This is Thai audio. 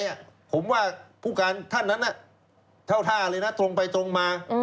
ผมว่าผู้การท่านนั้นเท่าท่าเลยนะตรงไปตรงมา